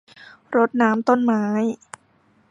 รดน้ำต้นไม้